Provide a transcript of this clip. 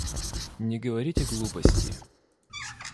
Не говорите глупости.